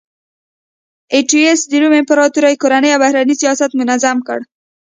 اتیوس د روم امپراتورۍ کورنی او بهرنی سیاست منظم کړ